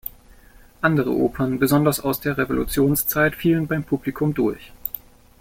Andere Opern, besonders aus der Revolutionszeit, fielen beim Publikum durch.